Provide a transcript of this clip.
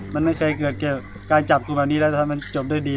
มันไม่เคยเกิดเกี่ยวกับการจับกินนี้แบบนี้มันจบด้วยดี